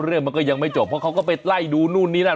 เรื่องมันก็ยังไม่จบเพราะเขาก็ไปไล่ดูนู่นนี่นั่น